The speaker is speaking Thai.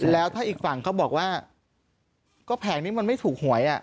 แล้วถ้าอีกฝั่งเขาบอกว่าก็แผงนี้มันไม่ถูกหวย